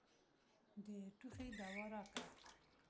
د ټوخي دوا راکه.